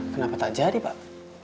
kenapa tak jadi pak